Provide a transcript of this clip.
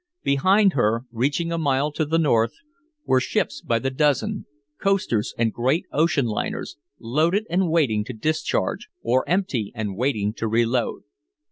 Behind her, reaching a mile to the North, were ships by the dozen, coasters and great ocean liners, loaded and waiting to discharge or empty and waiting to reload.